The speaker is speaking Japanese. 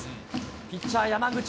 ピッチャー、山口。